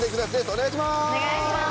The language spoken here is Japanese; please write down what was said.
お願いします！